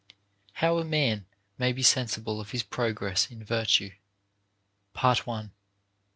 HOW A MAN MAY BE SENSIBLE OF HIS PROGRESS IN VIRTUE.